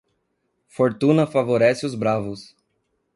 Fortuna favorece os Bravos.